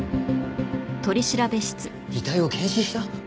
遺体を検視した？